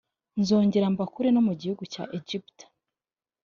nzongera mbakure no mu gihugu cya egiputa